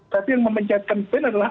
tapi yang memecatkan pin adalah